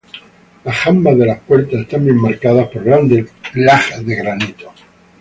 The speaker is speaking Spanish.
Las jambas de las puertas están bien marcadas por grandes lajas de granito.